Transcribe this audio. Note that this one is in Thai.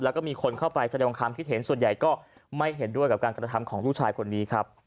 แล้วก็มีคนเข้าไปแสดงความคิดเห็นส่วนใหญ่ก็ไม่เห็นด้วยกับการกระทำของลูกชายคนนี้ครับ